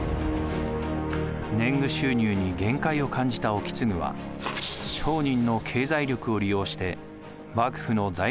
年貢収入に限界を感じた意次は商人の経済力を利用して幕府の財政を再建しようとします。